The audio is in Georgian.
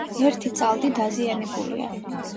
ერთი წალდი დაზიანებულია.